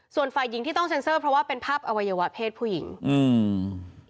ส่วนฝ่ายหญิงที่ต้องเซ็นเซอร์เพราะว่าเป็นภาพอวัยวะเพศผู้หญิงอืม